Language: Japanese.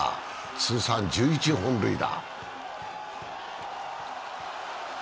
通算１１本塁打。